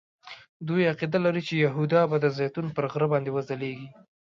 دوی عقیده لري چې یهودا به د زیتون پر غره باندې وځلیږي.